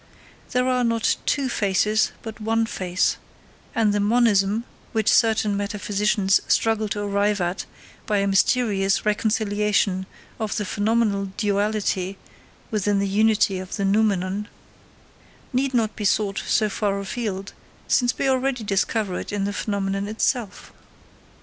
There are not two faces, but one face; and the monism, which certain metaphysicians struggle to arrive at by a mysterious reconciliation of the phenomenal duality within the unity of the noumenon, need not be sought so far afield, since we already discover it in the phenomenon itself.